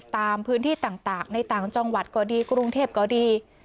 ตามพื้นที่ต่างในต่างจังหวัดก็ดีกรุงเทพก็ดี